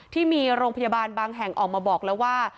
ที่มีโรงพยาบาลบางแห่งออกมาบอกแล้วว่า